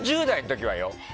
俺が１０代の時はよ。